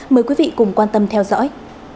mời quý vị cùng quan tâm theo dõi